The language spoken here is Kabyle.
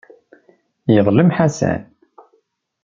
Yeḍlem Ḥasan.